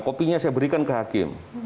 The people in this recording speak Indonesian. kopinya saya berikan ke hakim